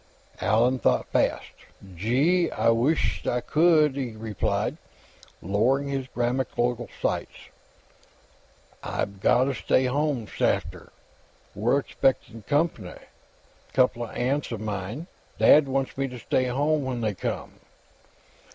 Allan thought fast. "Gee, I wisht I c'ld," he replied, lowering his grammatical sights. "I gotta stay home, 'safter. We're expectin' comp'ny; coupla aunts of mine. Dad wants me to stay home when they come."